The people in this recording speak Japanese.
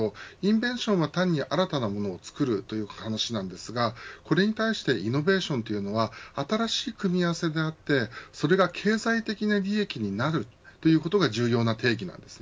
インベンションは単に新たなものを作るという話ですがこれに対してイノベーションというのは新しい組み合わせであってそれが経済的な利益になるということが重要な定義なんです。